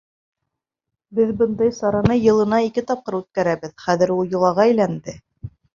Беҙ бындай сараны йылына ике тапҡыр үткәрәбеҙ, хәҙер ул йолаға әйләнде.